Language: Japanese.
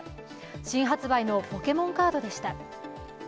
新発売のポケモンカードでした。